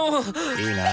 いいな。